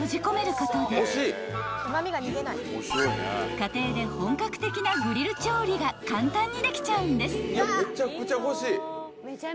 ［家庭で本格的なグリル調理が簡単にできちゃうんです］